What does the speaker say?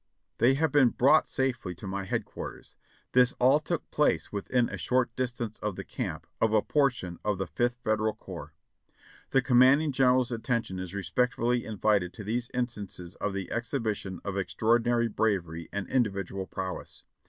They have been brought safely to my head quarters. This all took place within a short distance of the camp of a portion of the Fifth Federal Corps. "The commanding general's attention is respectfully invited to PRIVATE Lambert's shot 577 these instances of the exhibition of extraordinary bravery and individual prowess.